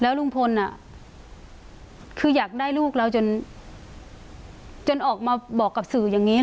แล้วลุงพลน่ะคืออยากได้ลูกเราจนจนออกมาบอกกับสื่ออย่างงี้หรอ